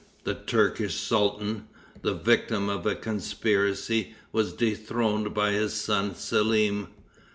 the Turkish sultan, the victim of a conspiracy, was dethroned by his son Selim.